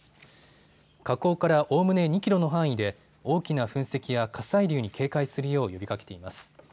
火口からおおむね２キロの範囲で大きな噴石や火砕流に警戒するよう呼びかけています。